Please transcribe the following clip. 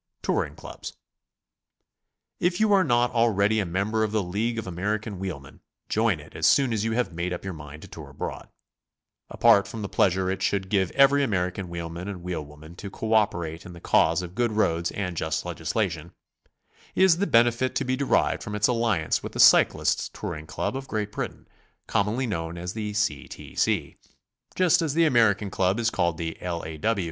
TOURING CLUBS. If you are not already ^ member of the League of American Wheelmen, join it as soon as you have made up your mind to tour abroad. Apart from the pleasure it should give every American wheelman and wheelwoman to co oper ate in the cause of good roads and just legislation, is the BICYCLE TOURING. S9 benefit to be derived from its alliance with the Cyclists' Tour ing Club of Great Britain, commonly known as the C. T. C., just as the American club is called the L. A.